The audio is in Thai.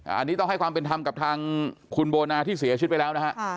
อันนี้ต้องให้ความเป็นธรรมกับทางคุณโบนาที่เสียชีวิตไปแล้วนะฮะ